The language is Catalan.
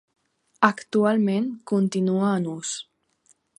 Actualment continua en ús.